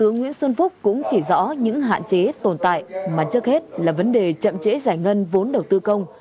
thủ tướng nguyễn xuân phúc cũng chỉ rõ những hạn chế tồn tại mà trước hết là vấn đề chậm chế giải ngân vốn đầu tư công